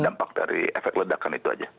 dampak dari efek ledakan itu aja